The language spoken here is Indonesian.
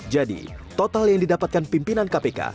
jadi total yang didapatkan pimpinan kpk